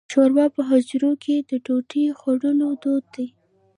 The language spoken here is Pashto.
شوروا په حجرو کې د ډوډۍ خوړلو دود دی.